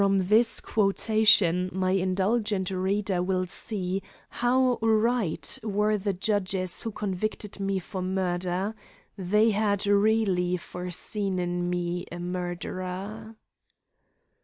From this quotation my indulgent reader will see how right were the judges who convicted me for murder; they had really foreseen in me a murderer.